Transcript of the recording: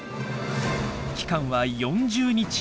期間は４０日以上。